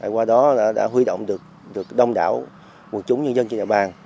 qua đó đã huy động được đông đảo quân chúng nhân dân trên đại bàn